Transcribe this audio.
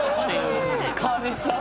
川西さん？